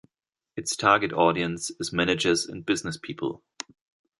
Its target audience is managers and business people.